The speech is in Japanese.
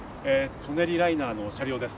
舎人ライナーの車両です。